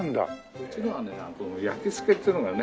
うちのはね焼き付けっていうのがね